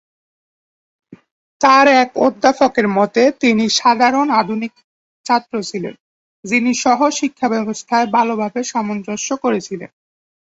তাঁর এক অধ্যাপকের মতে, "তিনি একজন সাধারণ, আধুনিক ছাত্র ছিলেন, যিনি সহ-শিক্ষাব্যবস্থায় ভালভাবে সামঞ্জস্য করেছিলেন।"